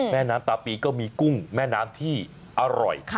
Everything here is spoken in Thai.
แม่น้ำตาปีก็มีกุ้งแม่น้ำที่อร่อย